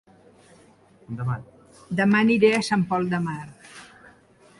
Dema aniré a Sant Pol de Mar